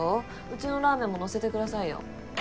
うちのラーメンも載せてくださいよ。